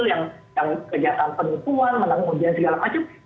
yang kejahatan penipuan menanggung ujian segala macam